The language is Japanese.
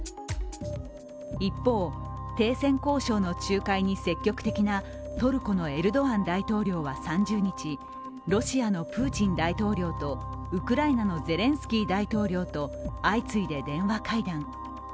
一方、停戦交渉の仲介に積極的なトルコのエルドアン大統領は３０日、ロシアのプーチン大統領とウクライナのゼレンスキー大統領と相次いで電話会談。